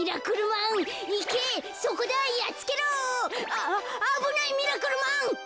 あぶないミラクルマン。